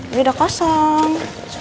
ini udah kosong